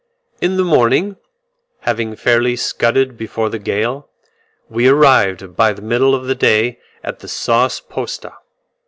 In the morning, having fairly scudded before the gale, we arrived by the middle of the day at the Sauce posta.